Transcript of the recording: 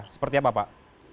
seperti apa pak